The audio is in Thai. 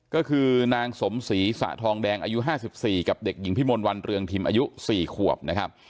ก็คือนางสมศรีสาทองแดงอายุห้าสิบสี่กับเด็กหญิงพิมลวันเรืองทิมอายุสี่ขวบนะครับ